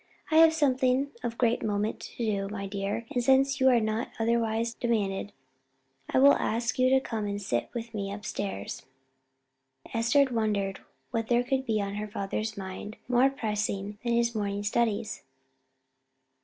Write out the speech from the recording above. "I have something of great moment to do, my dear; and since you are not otherwise demanded, I will ask you to come and sit with me up stairs." Esther wondered what there could be on her father's mind more pressing than his morning studies.